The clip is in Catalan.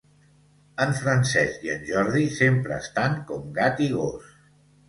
En Francesc i en Jordi sempre estan com gat i gos